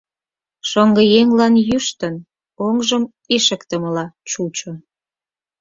Шоҥгыеҥлан йӱштын, оҥжым ишыктымыла чучо.